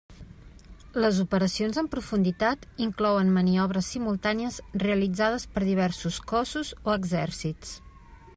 Les operacions en profunditat inclouen maniobres simultànies realitzades per diversos cossos o exèrcits.